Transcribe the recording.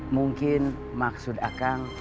mungkin maksud akang